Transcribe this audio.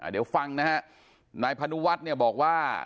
เดี๋ยวฟังนะฮะนายพนุวัฒน์เนี่ยบอกว่า